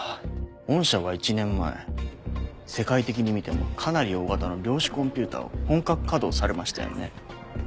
御社は１年前世界的に見てもかなり大型の量子コンピュータを本格稼働されましたよね？